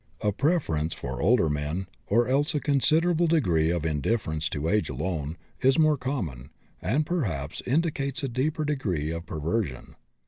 A preference for older men, or else a considerable degree of indifference to age alone, is more common, and perhaps indicates a deeper degree of perversion.